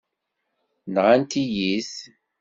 Nɣant-iyi-t.